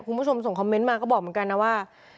คุณผู้ชมส่งคอมเมนต์มาก็บอกเหมือนกันนะว่า